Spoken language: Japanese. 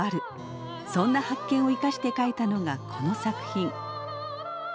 そんな発見を生かして書いたのがこの作品。